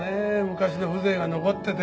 昔の風情が残ってて。